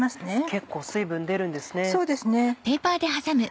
結構水分出るんですね。